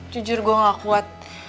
jujur gue gak kuat